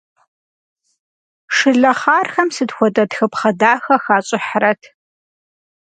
Шылэхъархэм сыт хуэдэ тхыпхъэ дахэ хащӏыхьрэт.